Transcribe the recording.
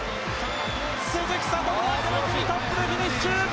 鈴木聡美がこの組トップでフィニッシュ！